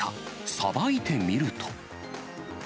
さばいてみると。